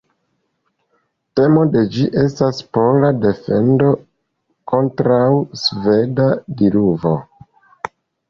Temo de ĝi estas pola defendo kontraŭ sveda diluvo.